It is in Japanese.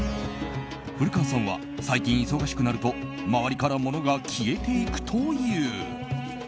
古川さんは、最近忙しくなると周りから物が消えていくという。